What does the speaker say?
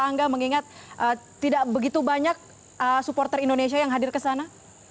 angga mengingat tidak begitu banyak supporter indonesia yang hadir ke sana